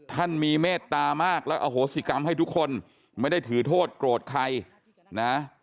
ท่านมีเมตตามากและอโหสิกรรมให้ทุกคนไม่ได้ถือโทษโกรธใครนะ